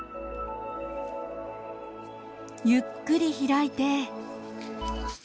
ゆっくり開いて。